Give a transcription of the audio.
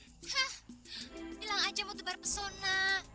hah bilang aja mau tebar pesona